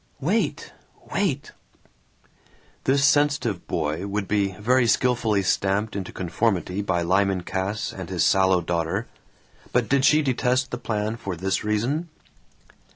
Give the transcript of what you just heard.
"Wait! Wait!" This sensitive boy would be very skilfully stamped into conformity by Lyman Cass and his sallow daughter; but did she detest the plan for this reason?